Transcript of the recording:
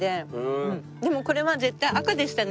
でもこれは絶対赤でしたね。